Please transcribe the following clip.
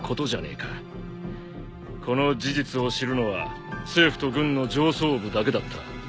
この事実を知るのは政府と軍の上層部だけだった。